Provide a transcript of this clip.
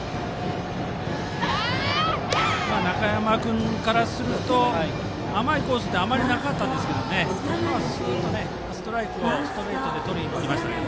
中山君からすると甘いコースってあまりなかったんですが今は、すーっとストライクをストレートでとりにいきましたね。